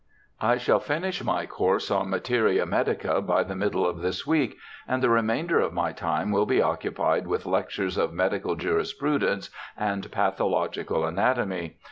I shall finish my course on materia medica by the middle of this week, and the remainder of my time will be occupied with lectures of medical jurisprudence and pathological anatomy.